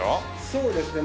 そうですね。